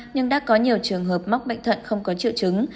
nhưng đã có nhiều trường hợp mắc bệnh thận không có triệu chứng